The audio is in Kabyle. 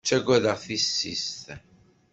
Ttagadeɣ tissist!